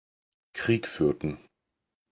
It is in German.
Krieg führten.